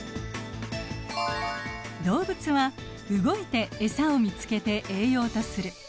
動物は動いてエサを見つけて栄養とする。